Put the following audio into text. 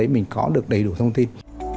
mình có được đầy đủ thông tin